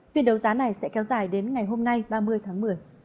phiên đấu giá này sẽ kéo dài đến ngày hôm nay ba mươi tháng một mươi